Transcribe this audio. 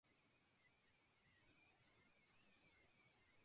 Ndaipóri opova'erã Mercedes Benz-re.